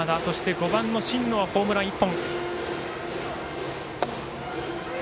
５番の新野はホームラン１本。